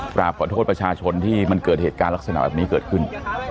กราบขอโทษประชาชนที่มันเกิดเหตุการณ์ลักษณะแบบนี้เกิดขึ้น